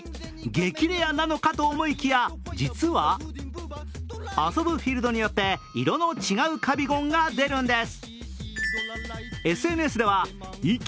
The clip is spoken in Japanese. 激レアなのかと思いきや、実は遊ぶフィールドによって色の違うカビゴンが出るんです。